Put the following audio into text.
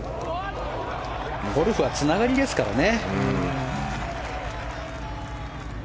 ゴルフはつながりですからね。